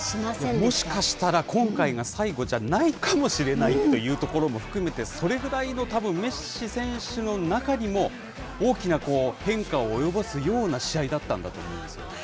もしかしたら、今回が最後じゃないかもしれないというところも含めて、それぐらいのたぶん、メッシ選手の中にも大きな変化を及ぼすような試合だったんだと思いますね。